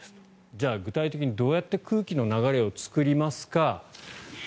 じゃあ具体的にどうやって空気の流れを作りますか。